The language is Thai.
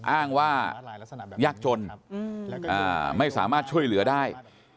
อ้างว่ายากจนไม่สามารถช่วยเหลือได้